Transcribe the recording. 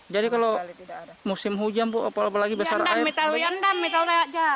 jadi kalau musim hujan bu apalagi besar air